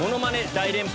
大連発